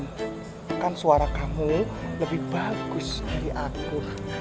bahkan suara kamu lebih bagus dari aku